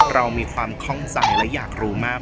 เรามีความคล่องใจและอยากรู้มาก